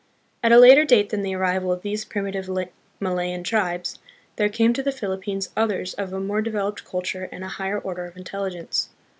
At a later date than the arrival of these primitive Malayan tribes, there came to the Philippines others of a more developed culture and a higher order of intel ligence.